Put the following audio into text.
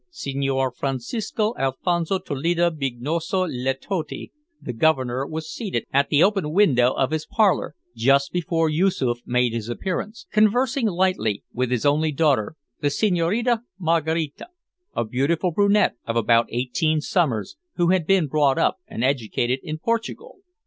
Senhor Francisco Alfonso Toledo Bignoso Letotti, the Governor, was seated at the open window of his parlour, just before Yoosoof made his appearance, conversing lightly with his only daughter, the Senhorina Maraquita, a beautiful brunette of about eighteen summers, who had been brought up and educated in Portugal.